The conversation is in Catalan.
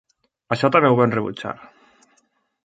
Això també ho van rebutjar.